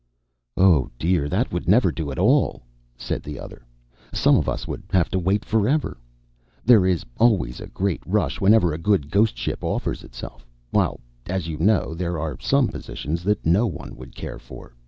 "Oh dear, that would never do at all!" said the other. "Some of us would have to wait forever. There is always a great rush whenever a good ghost ship offers itself while, as you know, there are some positions that no one would care for.